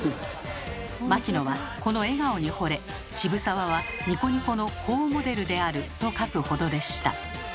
牧野はこの笑顔にほれ「渋沢はニコニコの好モデルである」と書くほどでした。